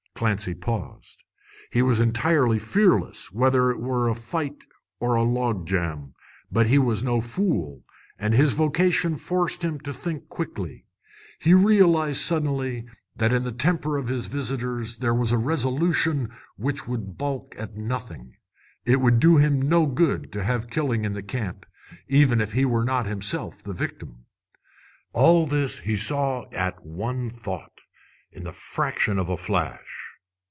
Clancy paused. He was entirely fearless, whether it were in a fight or a log jam. But he was no fool, and his vocation forced him to think quickly. He realized suddenly that in the temper of his visitors was a resolution which would balk at nothing. It would do him no good to have killing in the camp, even if he were not himself the victim. All this he saw at one thought, in the fraction of a flash.